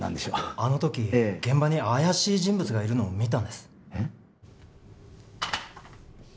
あの時現場に怪しい人物がいるのを見たんですえっ？